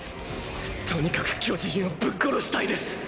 とにかく巨人をぶっ殺したいです。